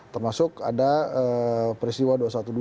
termasuk ada peristiwa dua ratus dua belas